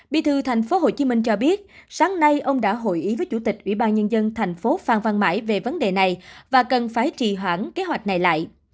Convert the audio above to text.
bí thư tp hcm cho biết sáng nay ông đã hội ý với chủ tịch ubnd tp hcm phan văn mãi về vấn đề này và cần phải trì hoãn kế hoạch này lại